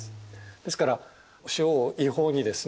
ですから塩を違法にですね